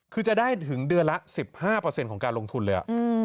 คือจะได้ถึงเดือนละ๑๕ของการลงทุนเลย